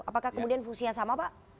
apakah kemudian fungsinya sama pak